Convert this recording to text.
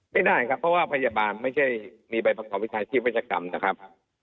ไม่ได้ครับเพราะว่าพยาบาลไม่มีใบประสบวิทยาชีพวิทยากรรมนะครับ